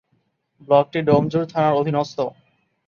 ব্লকটি ডোমজুড় থানার অধীনস্থ।